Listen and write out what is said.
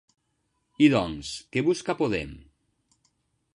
I doncs, què busca Podem?